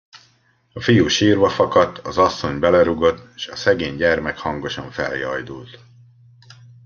A fiú sírva fakadt, az asszony belerúgott, s a szegény gyermek hangosan feljajdult.